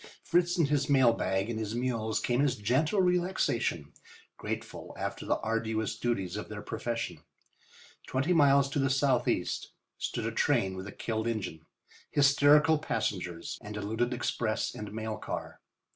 Fritz and his mail bag and his mules came as gentle relaxation, grateful after the arduous duties of their profession. Twenty miles to the southeast stood a train with a killed engine, hysterical passengers and a looted express and mail car.